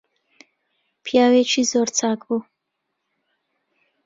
پیاوێکی زۆر چاک بوو